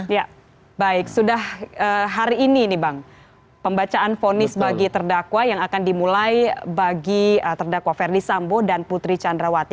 ya baik sudah hari ini nih bang pembacaan fonis bagi terdakwa yang akan dimulai bagi terdakwa ferdi sambo dan putri candrawati